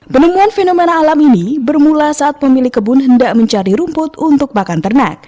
penemuan fenomena alam ini bermula saat pemilik kebun hendak mencari rumput untuk makan ternak